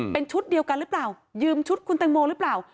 เป็นชุดเดียวกันหรือเปล่ายืมชุดคุณแตงโมหรือเปล่า